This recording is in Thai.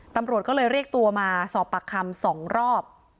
ตำรวจก็เลยเรียกตัวมาสอบปากคำ๒รอบ